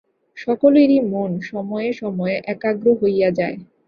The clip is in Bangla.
সকলেরই মন সময়ে সময়ে একাগ্র হইয়া যায়।